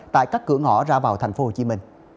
tại các cửa ngõ ra vào tp hcm